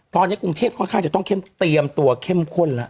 ตอนนี้กรุงเทพค่อนข้างจะต้องเตรียมตัวเข้มข้นแล้ว